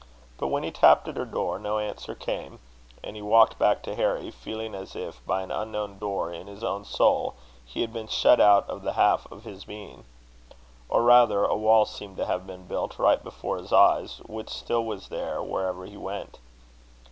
But when he tapped at her door, no answer came; and he walked back to Harry, feeling, as if, by an unknown door in his own soul, he had been shut out of the half of his being. Or rather a wall seemed to have been built right before his eyes, which still was there wherever he went.